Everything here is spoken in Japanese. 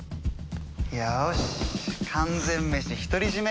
よし完全メシ独り占め。